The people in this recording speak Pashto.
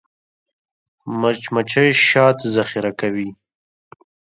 مچمچۍ شات ذخیره کوي